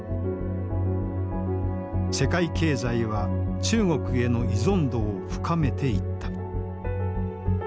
世界経済は中国への依存度を深めていった。